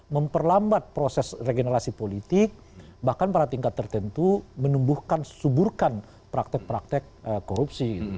memperlambat proses regenerasi politik bahkan pada tingkat tertentu menumbuhkan suburkan praktek praktek korupsi